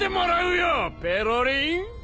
ペロリン。